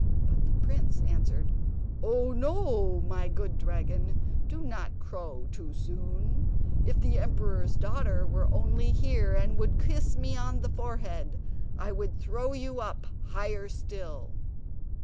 But the prince answered, "Oh, ho! my good dragon, do not crow too soon! If the emperor's daughter were only here, and would kiss me on the forehead, I would throw you up higher still!"